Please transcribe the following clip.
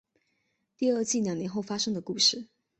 第二季两年后发生的故事。